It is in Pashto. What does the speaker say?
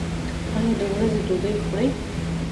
ایا د ورځې ډوډۍ خورئ؟